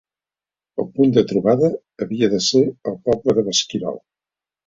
El punt de trobada havia de ser el poble de l'Esquirol.